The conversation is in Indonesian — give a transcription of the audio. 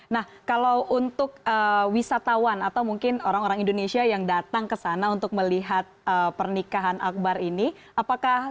nah kalau untuk wisatawan atau mungkin orang orang indonesia yang datang ke sana untuk melihat pernikahan akbar ini apakah sudah ada kontak atau tidak